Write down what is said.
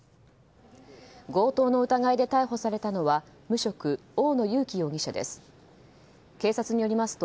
強盗の疑いで逮捕されたのは無職・大野佑紀容疑者です。